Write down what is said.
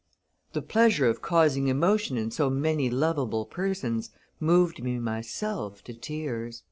The, pleasure of causing emotion in so many lovable persons moved me myself to tears."